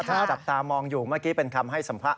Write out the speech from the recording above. ถ้าจับตามองอยู่เมื่อกี้เป็นคำให้สัมภาษ